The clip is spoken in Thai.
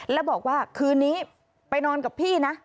แล้วบอกว่าคืนนี้ไปนอนกับพี่นะ